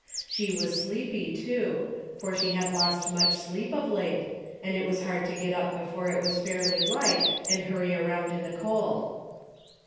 She was sleepy, too, for she had lost much sleep of late, and it was hard to get up before it was fairly light and hurry around in the cold.